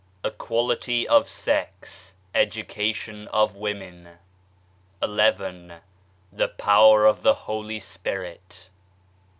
Equality of Sex Education of Women. XL The Power of the Holy Spirit.